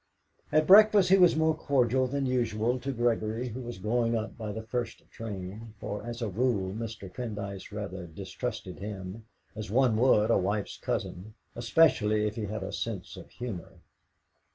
At breakfast he was more cordial than usual to Gregory, who was going up by the first train, for as a rule Mr. Pendyce rather distrusted him, as one would a wife's cousin, especially if he had a sense of humour.